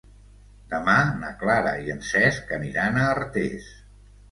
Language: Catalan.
Demà na Clara i en Cesc aniran a Artés.